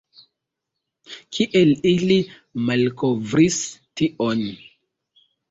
Kiel ili malkovris tion?